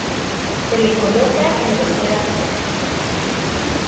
Se le coloca en "Drosera" secc.